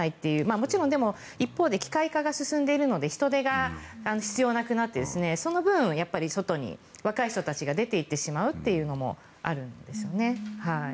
もちろん一方で機械化が進んでいるので人手が必要なくなってその分、外に若い人たちが出ていってしまうというのもあるんですね。